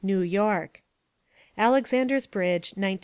New York. Alexander's Bridge, 1912.